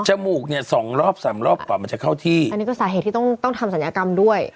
อันนี้ก็สาเหตุที่ต้องทำสัญญากรรมด้วย